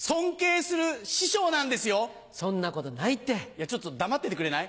いやちょっと黙っててくれない？